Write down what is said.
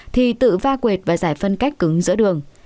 thì tự va quệt và giải phân cách cứng giữa đường